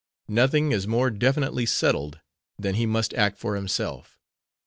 Nothing is more definitely settled than he must act for himself.